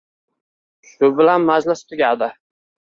Shu bilan majlis tugadi